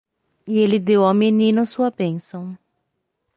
E ele deu ao menino sua bênção.